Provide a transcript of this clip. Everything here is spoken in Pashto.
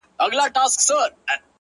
الله ته لاس پورته كړو،